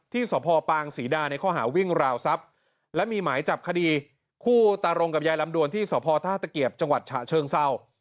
สพปางศรีดาในข้อหาวิ่งราวทรัพย์และมีหมายจับคดีคู่ตารงกับยายลำดวนที่สพท่าตะเกียบจังหวัดฉะเชิงเศร้า